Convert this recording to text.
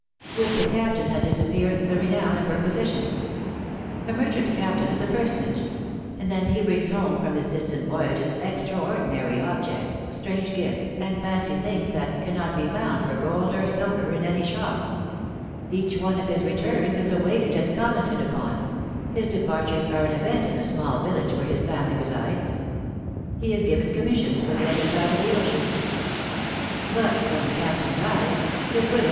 With the Captain had disappeared the renown of her position. A merchant captain is a personage; and then he brings home from his distant voyages extra ordinary objects, strange gifts, and fancy things tliat cannot be found for gold or silver in any shop." Each one of his returns is awaited and commented upon ; his departures are an event in the small village where his family resides. He is given commissions for the other side of the ocean. But when the Captain dies, his widow 44 PHILOMiiNE's MARRIAGES.